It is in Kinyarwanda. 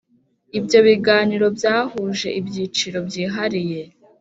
Ibyo biganiro byahuje ibyiciro byihariye